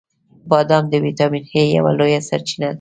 • بادام د ویټامین ای یوه لویه سرچینه ده.